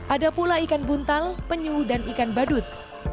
ada pula ikan buntal penyu dan ikan badut